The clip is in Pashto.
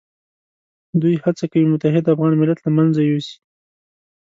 دوی هڅه کوي متحد افغان ملت له منځه یوسي.